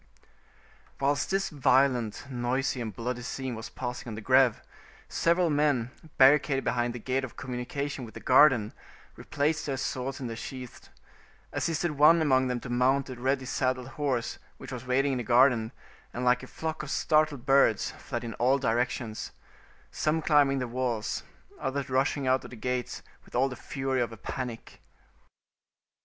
Whilst this violent, noisy, and bloody scene was passing on the Greve, several men, barricaded behind the gate of communication with the garden, replaced their swords in their sheaths, assisted one among them to mount a ready saddled horse which was waiting in the garden, and like a flock of startled birds, fled in all directions, some climbing the walls, others rushing out at the gates with all the fury of a panic.